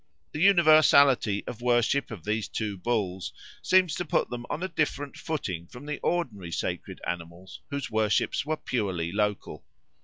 The universality of the worship of these two bulls seems to put them on a different footing from the ordinary sacred animals whose worships were purely local.